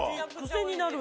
癖になる。